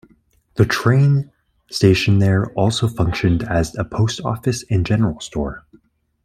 The train station there also functioned as a post office and general store.